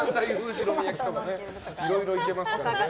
いろいろいけますからね。